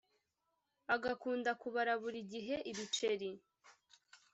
agakunda kubara buri gihe ibiceri